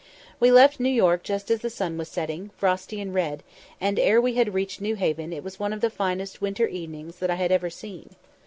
We left New York just as the sun was setting, frosty and red, and ere we had reached Newhaven it was one of the finest winter evenings that I had ever seen.